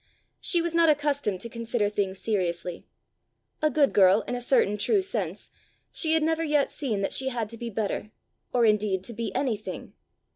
She was not accustomed to consider things seriously. A good girl in a certain true sense, she had never yet seen that she had to be better, or indeed to be anything.